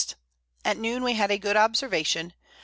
At Noon we had a good Observation.